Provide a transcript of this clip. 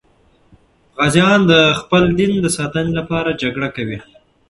غازیان د خپل دین د ساتنې لپاره جګړه کوي.